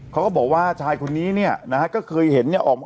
เขาก็บอกว่าชายคนนี้เนี่ยนะฮะก็เคยเห็นเนี่ยออกมา